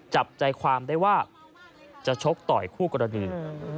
จับใจความได้ว่าจะชกต่อยคู่กรณี